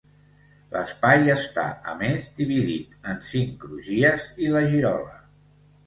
L'espai està a més dividit en cinc crugies i la girola.